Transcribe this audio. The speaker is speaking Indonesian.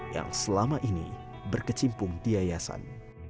yang selama ini berkecimpung di yayasan